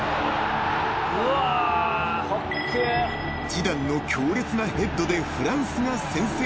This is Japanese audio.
［ジダンの強烈なヘッドでフランスが先制］